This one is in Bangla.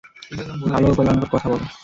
ভাল ও কল্যাণকর কথা বল।